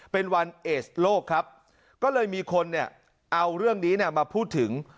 เป็นวันเอสโลกครับก็เลยมีคนเนี่ยเอาเรื่องนี้มาพูดถึง